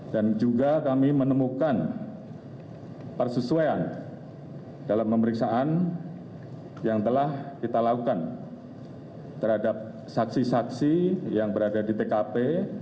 dan juga kami menemukan persesuaian dalam pemeriksaan yang telah kita lakukan terhadap saksi saksi yang berada di tkp